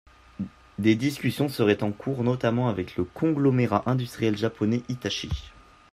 Des discussions seraient en cours notamment avec le conglomérat industriel japonais Hitachi.